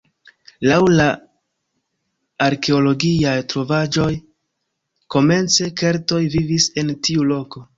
Laŭ la arkeologiaj trovaĵoj komence keltoj vivis en tiu loko.